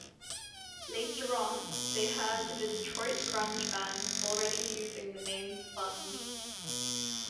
Later on, they heard of a Detroit grunge band already using the name Sponge.